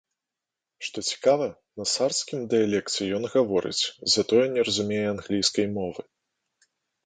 Што цікава, на сардскім дыялекце ён гаворыць, затое не разумее англійскай мовы.